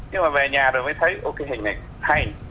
nhưng mà về nhà rồi mới thấy ok hình này hay